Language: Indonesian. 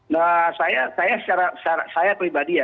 nah saya pribadi ya